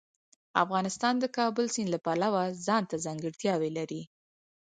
افغانستان د کابل سیند له پلوه ځانته ځانګړتیاوې لري.